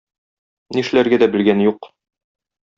Нишләргә дә белгән юк.